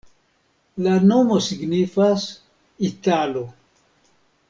La nomo signifas: italo.